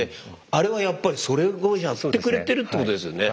あれはやっぱりそれをやってくれてるってことですよね。